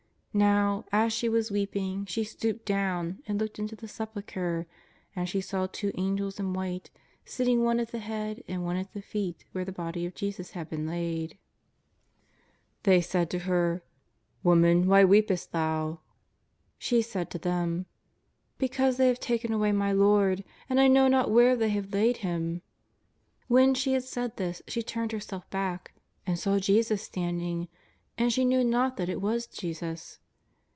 Now, as she was weeping, she stooped down and looked into the Sepulchre : and she saw two Angels in white, sitting one at the head and one at the feet where the Body of Jesus had been laid. They said to her :^' Woman, why weepest thou ?" She said to them :" Because they have taken away my Lord, and I know not where they have laid Him." When she had said this she turned herself back, and saw Jesus standing ; and she knew not that it was Jesus.